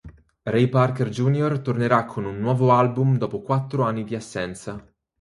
Ray Parker Jr. tornerà con un nuovo album dopo quattro anni di assenza.